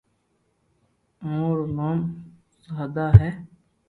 آٺوا رو نوم سآتا ھي